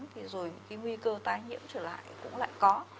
thế rồi cái nguy cơ tái nhiễm trở lại cũng lại có